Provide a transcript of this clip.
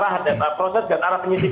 mengaruhi arah proses dan arah penyisikan